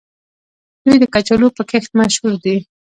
دوی د کچالو په کښت مشهور دي.